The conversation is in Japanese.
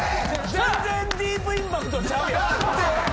全然ディープインパクトちゃうやん。